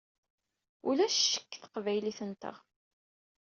Ulac ccek deg teqbaylit-nteɣ.